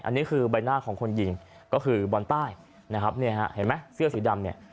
อันนี้คือใบหน้าของคนยิงก็คือบอลใต้นะครับเนี่ยฮะเห็นไหมเสื้อสีดำเนี่ย